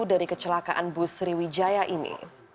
dari kecelakaan bus sriwijaya ini